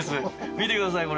見てくださいこれ。